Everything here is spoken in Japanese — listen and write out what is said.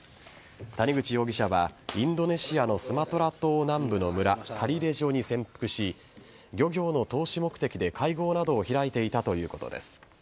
谷口容疑者はインドネシアのスマトラ島南部の村カリレジョに潜伏し漁業の投資目的で会合などを開いていたということです。